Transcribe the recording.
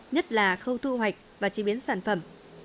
nhất là khâu thu hoạch và chế biến sản phẩm